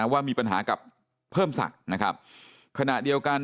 ว่ามีปัญหากับเพิ่มศักดิ์นะครับขณะเดียวกัน